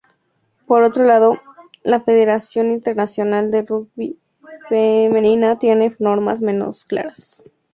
Por otro lado, la federación internacional de rugby femenina tiene normas menos claras.